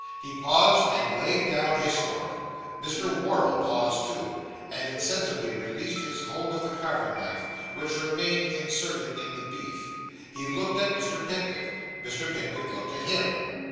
He paused, and laid down his fork. Mr. Wardle paused too, and insensibly released his hold of the carving knife, which remained inserted in the beef. He looked at Mr. Pickwick. Mr. Pickwick looked at him.